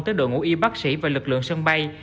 tới đội ngũ y bác sĩ và lực lượng sân bay